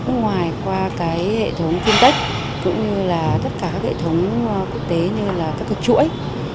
ngoài qua hệ thống tiên tách cũng như là tất cả các hệ thống quốc tế như là các chuỗi